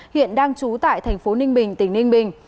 hiện đang trú tại thành phố ninh bình tỉnh ninh bình